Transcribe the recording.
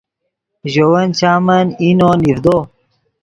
ژے ون چامن اینو نیڤدو